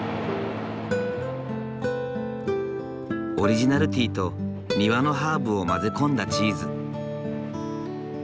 オリジナルティーと庭のハーブを混ぜ込んだチーズ。